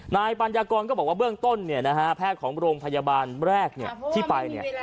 นายปัญญากรก็บอกว่าเบื้องต้นแพทย์ของโรงพยาบาลแรกที่ไป